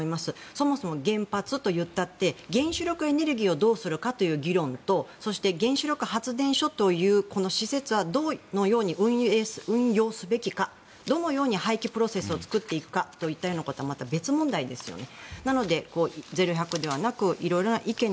そもそも原発っていったって原子力エネルギーをどうするかという議論とそして原子力発電所というこの施設をどのように運用すべきかどのように廃棄プロセスを作っていくかといったようなことはまた別問題ですよね。